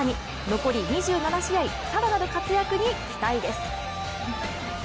残り２７試合、更なる活躍に期待です。